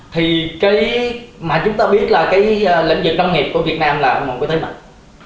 thì cái mà chúng ta biết là cái lĩnh vực nông nghiệp của việt nam là một cái thế mạnh